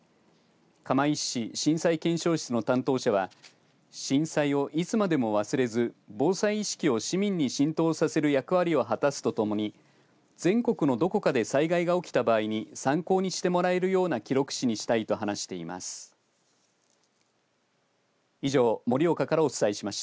釜石市震災検証室の担当者は震災をいつまでも忘れず防災意識を市民に浸透させる役割を果たすとともに全国のどこかで災害が起きた場合に参考にしてもらえるような記録誌にしたいと話しています。